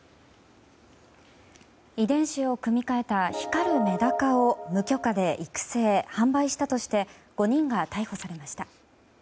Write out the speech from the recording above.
遺伝子を組み換えた光るメダカを無許可で育成・販売したとして５人が逮捕されました。